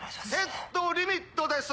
ヘッドリミットです！